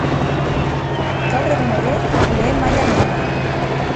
Gaur egun ere lehen mailan ari da.